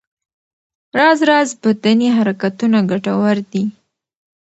راز راز بدني حرکتونه ګټور دي.